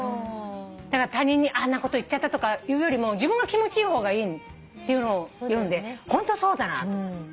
だから他人にあんなこと言っちゃったとか言うよりも自分が気持ちいい方がいいっていうのを読んでホントそうだなと。